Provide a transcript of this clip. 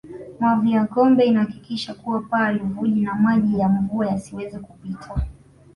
Mavi ya ngombe inahakikisha kuwa paa halivuji na maji ya mvua yasiweze kupita